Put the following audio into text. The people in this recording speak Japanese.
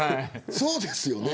そうですよね。